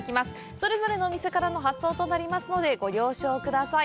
それぞれのお店からの発送となりますので、ご了承ください。